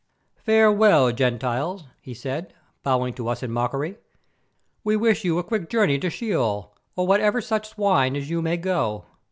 "Farewell, Gentiles," he said, bowing to us in mockery, "we wish you a quick journey to Sheol, or wherever such swine as you may go.